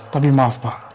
tapi maaf pak